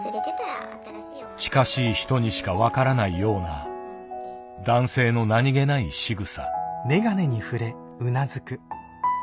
近しい人にしか分からないような男性の何気ないしぐさ。